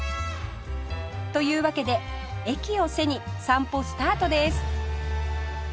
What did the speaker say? というわけで駅を背に散歩スタートです